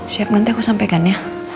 siap nanti aku sampaikan ya